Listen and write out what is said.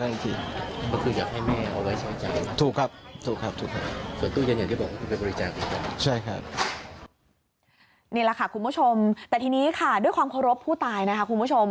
นี่แหละค่ะคุณผู้ชมแต่ทีนี้ค่ะด้วยความเคารพผู้ตายนะคะคุณผู้ชม